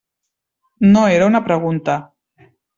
No era una pregunta.